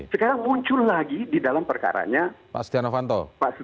sekarang muncul lagi di dalam perkaranya pak soediano fanto